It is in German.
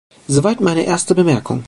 Soweit meine erste Bemerkung.